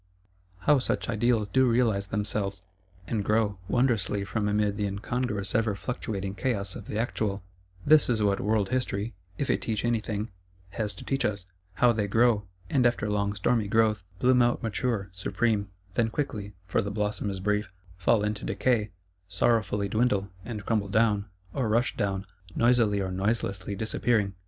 How such Ideals do realise themselves; and grow, wondrously, from amid the incongruous ever fluctuating chaos of the Actual: this is what World History, if it teach any thing, has to teach us, How they grow; and, after long stormy growth, bloom out mature, supreme; then quickly (for the blossom is brief) fall into decay; sorrowfully dwindle; and crumble down, or rush down, noisily or noiselessly disappearing.